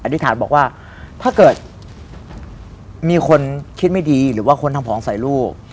ธิษฐานบอกว่าถ้าเกิดมีคนคิดไม่ดีหรือว่าคนทำของใส่ลูก